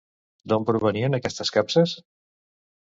D'on provenien aquestes capses?